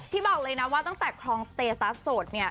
ที่บอกเลยนะว่าตั้งแต่ครองสเตยสตาร์ทโสดเนี่ย